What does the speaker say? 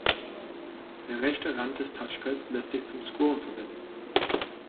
Der rechte Rand des Touchpads lässt sich zum Scrollen verwenden.